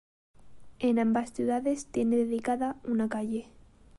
En ambas ciudades tiene dedicada una calle.